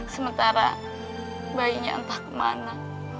sementara bayinya entah kemana